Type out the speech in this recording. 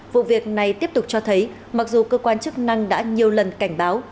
vụ việc này tiếp tục cho thấy mặc dù cơ quan chức năng đã nhiều lần cảnh báo